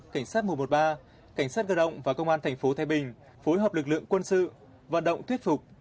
cảnh sát mùa một ba cảnh sát cơ động và công an thành phố thái bình phối hợp lực lượng quân sự vận động thuyết phục